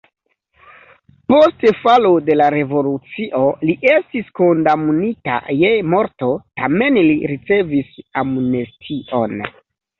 Post falo de la revolucio li estis kondamnita je morto, tamen li ricevis amnestion.